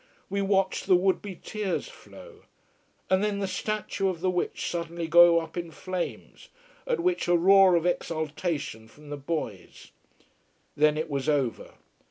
We watched the would be tears flow. And then the statue of the witch suddenly go up in flames, at which a roar of exultation from the boys. Then it was over.